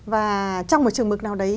và trong một trường mực nào đấy